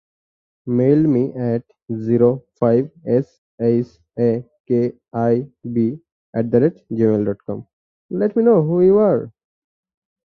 দুটি বা ততোধিক উপকরণ একত্রিত করে মিশ্রিত কাঠামো গঠিত হতে পারে।